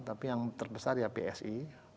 tapi yang terbesar ya psi